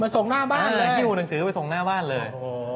ส่งหน้าบ้านเลย